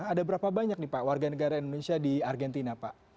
ada berapa banyak nih pak warga negara indonesia di argentina pak